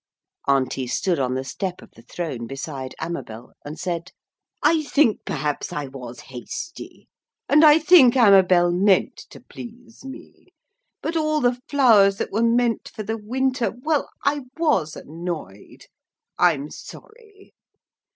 Auntie stood on the step of the throne beside Amabel, and said: 'I think, perhaps, I was hasty. And I think Amabel meant to please me. But all the flowers that were meant for the winter ... well I was annoyed. I'm sorry.'